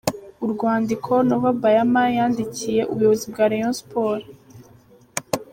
Urwandiko Nova Bayama yandikiye ubuyobozi bwa Rayon Sports.